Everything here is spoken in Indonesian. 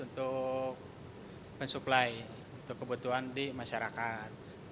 untuk mensuplai untuk kebutuhan di masyarakat